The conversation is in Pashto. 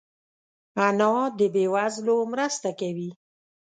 انا د بې وزلو مرسته کوي